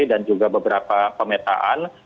dan juga beberapa pemetaan